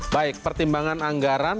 baik pertimbangan anggaran